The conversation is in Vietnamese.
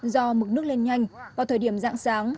do mực nước lên nhanh vào thời điểm dạng sáng